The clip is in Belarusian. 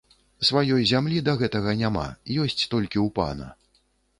Сваёй зямлі для гэтага няма, ёсць толькі ў пана.